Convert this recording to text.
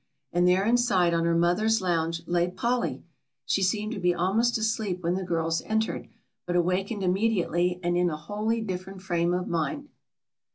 And there inside on her mother's lounge lay Polly! She seemed to be almost asleep when the girls entered, but awakened immediately and in a wholly different frame of mind.